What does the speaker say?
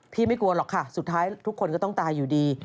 ไม่กลัวหรอกค่ะสุดท้ายทุกคนก็ต้องตายอยู่ดี